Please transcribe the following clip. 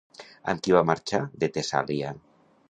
Amb qui va marxar de Tessàlia?